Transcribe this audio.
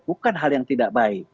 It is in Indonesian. bukan hal yang tidak baik